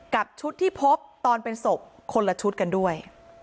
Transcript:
กับชุดที่พบตอนเป็นศพคนละชุดกันด้วย